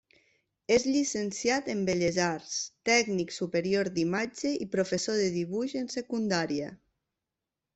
És llicenciat en Belles arts, Tècnic Superior d'Imatge i professor de dibuix en Secundària.